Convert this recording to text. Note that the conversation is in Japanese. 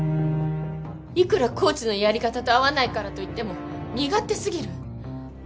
いくらコーチのやり方と合わないからと言っても身勝手すぎる。